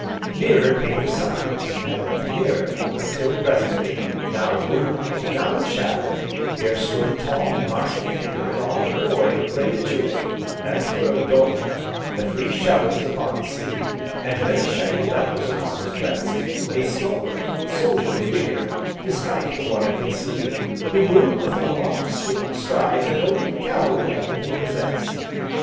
Nearer came the sound, and nearer, until, presently, now in moonlight, now in shadow, there strode a tall, martial figure in all the glory of braided tunic, and furred dolman, the three chevrons upon his sleeve, and many shining medals upon his breast, a stalwart, soldierly figure, despite the one empty sleeve, who moved with the long, swinging stride that only the cavalry man can possess.